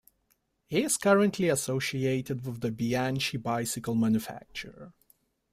He is currently associated with the Bianchi bicycle manufacturer.